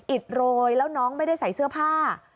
อิดโรยแล้วน้องไม่ได้ใส่เสื้อผ้า